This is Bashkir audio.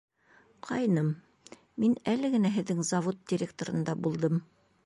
Ҡайным, мин әле генә һеҙҙең завод директорында булдым.